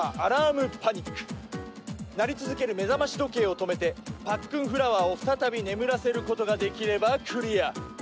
鳴り続ける目覚まし時計を止めてパックンフラワーを再び眠らせることができればクリア。